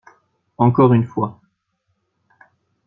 Encore une fois!